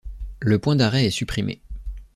Le point d'arrêt est supprimé.